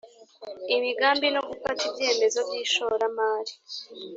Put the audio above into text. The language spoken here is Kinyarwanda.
imigambi no gufata ibyemezo by ishoramari